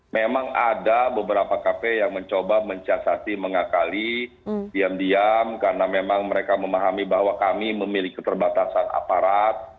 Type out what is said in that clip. memang ada beberapa kafe yang mencoba mencasati mengakali diam diam karena memang mereka memahami bahwa kami memiliki keterbatasan aparat